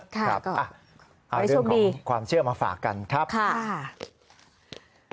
ค่ะเอาเรื่องของความเชื่อมาฝากกันครับค่ะไว้โซมี